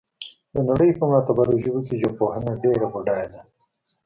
د نړۍ په معتبرو ژبو کې ژبپوهنه ډېره بډایه ده